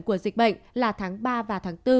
của dịch bệnh là tháng ba và tháng bốn